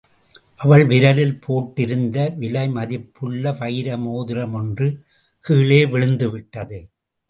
அவள் விரலில் போட்டிருந்த விலை மதிப்புள்ள வைர மோதிரம் ஒன்று கீழே விழுந்து விட்டது.